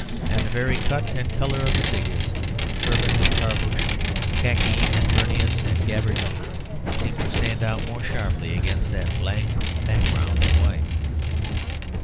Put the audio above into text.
And the very cut and colour of the figures, turban and tarbouch, khaki and burnous and gabardine, seemed to stand out more sharply against that blank background of white.